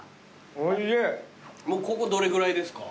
もうここどれぐらいですか？